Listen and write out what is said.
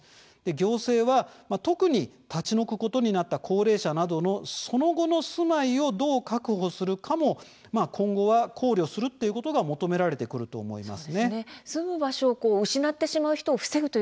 行政は特に立ち退くことになった高齢者などがその後の住まいをどう確保するかも今後は考慮する必要があると思います。